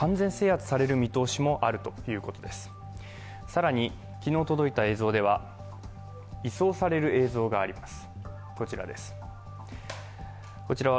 更に昨日、届いた映像では移送される映像があります。